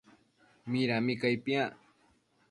Midami cai piac?